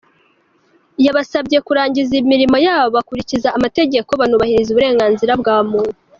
Yabasabye kurangiza imirimo yabo bakurikiza amategeko banubahiriza uburenganzira bwa muntu.